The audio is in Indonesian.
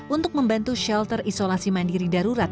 untuk membantu shelter isolasi mandiri darurat